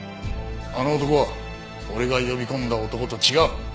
あの男は俺が呼び込んだ男と違う。